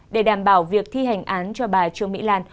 để đảm bảo việc thi hành án cho bà trương mỹ lan